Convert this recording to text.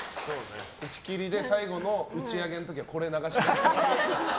打ち切りで最後の打ち上げの時はこれを流します。